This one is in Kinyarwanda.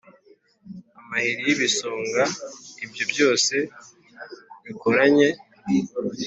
Amahiri y’ibisongaIbyo byose bikoranye